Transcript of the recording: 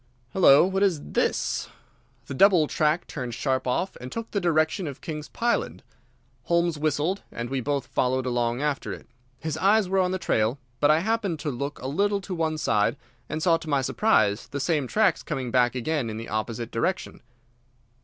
Hullo, what is this?" The double track turned sharp off and took the direction of King's Pyland. Holmes whistled, and we both followed along after it. His eyes were on the trail, but I happened to look a little to one side, and saw to my surprise the same tracks coming back again in the opposite direction.